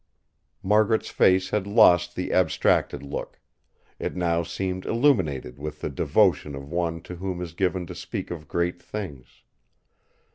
Margaret's face had lost the abstracted look; it now seemed illuminated with the devotion of one to whom is given to speak of great things.